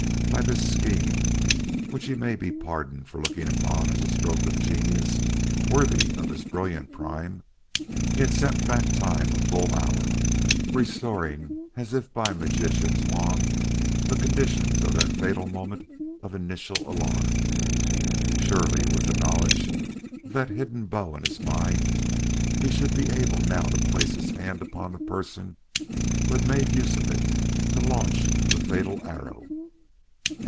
By this scheme, which he may be pardoned for looking upon as a stroke of genius worthy of his brilliant prime, he had set back time a full hour, restoring as by a magician's wand the conditions of that fatal moment of initial alarm. Surely, with the knowledge of that hidden bow in his mind, he should be able now to place his hand upon the person who had made use of it to launch the fatal arrow.